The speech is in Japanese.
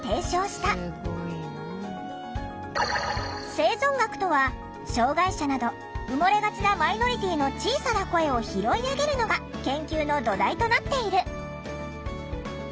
「生存学」とは障害者など埋もれがちなマイノリティーの小さな声を拾い上げるのが研究の土台となっている。